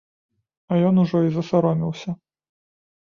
А ён ужо і засаромеўся.